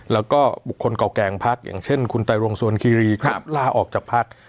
แล้วก็บุคคลเก่าแก่งพักอย่างเช่นคุณไตรรงสวนคีรีครับลาออกจากพัก